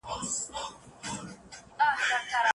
سپیني لنګوټې د مشرانو لپاره دي.